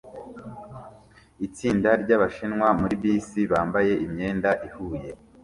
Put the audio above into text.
Itsinda ryabashinwa muri bisi bambaye imyenda ihuye